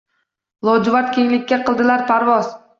Lojuvard kenglikka qildilar parvoz.